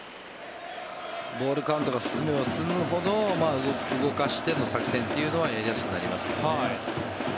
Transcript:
ボールカウント進めば進むほど動かしての作戦というのはやりやすくなりますからね。